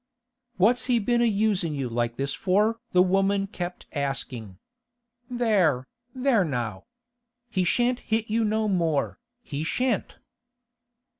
'What's he been a usin' you like this for?' the woman kept asking. 'There, there now! He shan't hit you no more, he shan't!